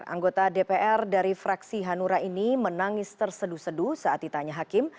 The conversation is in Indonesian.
anggota dpr dari fraksi hanura ini menangis terseduh seduh saat ditanya hakim